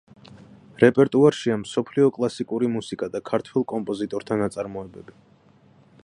რეპერტუარშია მსოფლიო კლასიკური მუსიკა და ქართველ კომპოზიტორთა ნაწარმოებები.